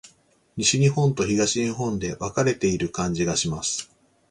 西日本と東日本で分かれている感じがします。